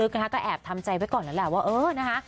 นะคะก็แอบทำใจไว้ก่อนนั่นแหละว่าเออนะคะ